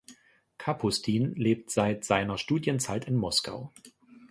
Kapustin lebt seit seiner Studienzeit in Moskau.